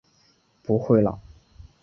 不会啦！